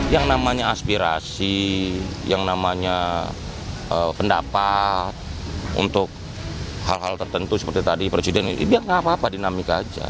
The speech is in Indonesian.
yang namanya aspirasi yang namanya pendapat untuk hal hal tertentu seperti tadi presiden biar gak apa apa dinamika aja